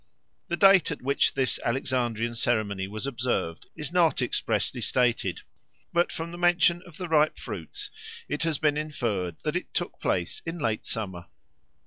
The date at which this Alexandrian ceremony was observed is not expressly stated; but from the mention of the ripe fruits it has been inferred that it took place in late summer.